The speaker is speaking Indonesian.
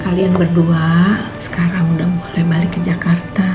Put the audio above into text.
kalian berdua sekarang udah mulai balik ke jakarta